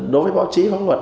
đối với báo chí pháp luật